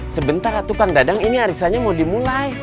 sebentar lah tuh kang dadang ini arisannya mau dimulai